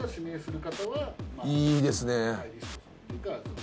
いいですね。